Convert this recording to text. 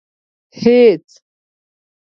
هېڅ.